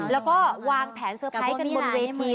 แล้วก็วางแผนเซอร์ไพรส์กันบนเวที